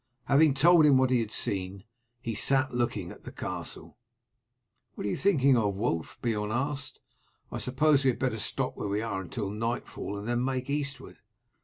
Having told him what he had seen, he sat looking at the castle. "What are you thinking of, Wulf?" Beorn asked. "I suppose we had better stop where we are till nightfall and then make eastward."